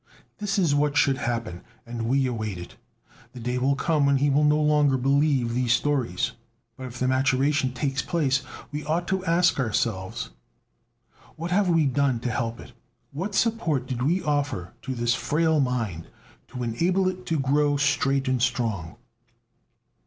This is what should happen and we await it: the day will come when he will no longer believe these stories. But if this maturation takes place, we ought to ask ourselves: "What have we done to help it? What support did we offer to this frail mind to enable it to grow straight and strong?"